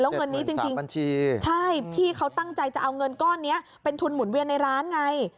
แล้วเงินนี้จริงใช่พี่เขาตั้งใจจะเอาเงินก้อนนี้เป็นทุนหมุนเวียนในร้านไง